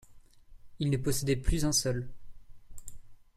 Il ne possédait plus un sol.